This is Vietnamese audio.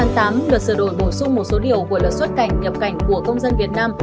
từ ngày một mươi năm tháng tám luật sửa đổi bổ sung một số điều của luật xuất cảnh nhập cảnh của công dân việt nam